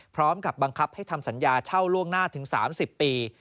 พร้อมกับบังคับให้ทำสัญญาเช่าล่วงหน้าถึง๓๐ปี